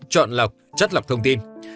chọn lọc chắt lọc thông tin